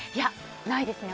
ないですね。